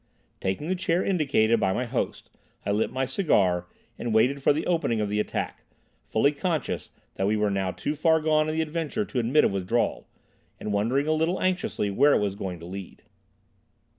Taking the chair indicated by my host, I lit my cigar and waited for the opening of the attack, fully conscious that we were now too far gone in the adventure to admit of withdrawal, and wondering a little anxiously where it was going to lead.